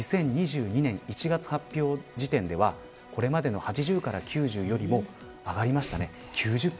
２０２２年１月発表時点ではこれまでの８０から９０よりも上がりました。